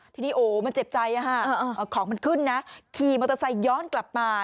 ทีนี้โอ้มันเจ็บใจของมันขึ้นนะขี่มอเตอร์ไซค์ย้อนกลับมา